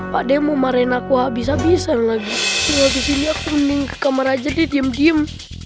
pakde mau marahin aku habis habisan lagi tinggal disini aku mending ke kamar aja deh diem diem